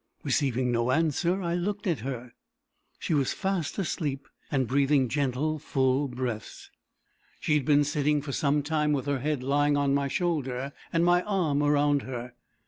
Receiving no answer, I looked at her. She was fast asleep, and breathing gentle, full breaths. She had been sitting for some time with her head lying on my shoulder and my arm around her.